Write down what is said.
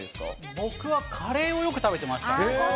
僕はカレーをよく食べてました。